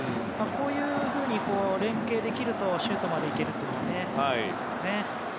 こういうふうに連係できるとシュートまで行けるということですね。